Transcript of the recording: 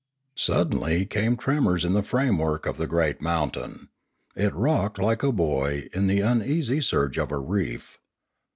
Suddenly came tremors in the framework of the great mountain. It rocked like a buoy in the uneasy surge of a reef.